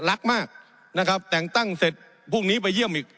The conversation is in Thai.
รักมากนะครับแต่งตั้งเสร็จพรุ่งนี้ไปเยี่ยมอีก